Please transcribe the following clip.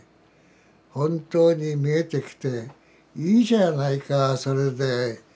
本当に見えてきて「いいじゃないかそれで」。